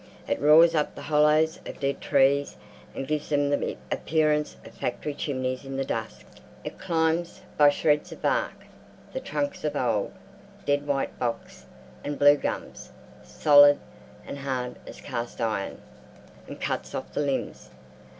It roars up the hollows of dead trees and gives them the appearance of factory chimneys in the dusk. It climbs, by shreds of bark, the trunks of old dead white box and blue gums—solid and hard as cast iron—and cuts off the limbs.